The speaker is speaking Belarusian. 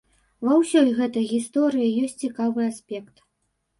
Ва ўсёй гэтай гісторыі ёсць цікавы аспект.